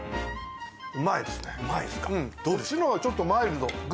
うまいですか。